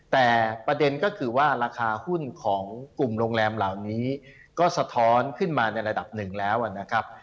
แต่ประเด็นก็คือว่าราคาหุ้นของกลุ่มโรงแรมเหล่านี้ก็สะท้อนขึ้นมาในระดับหนึ่งแล้วนะครับ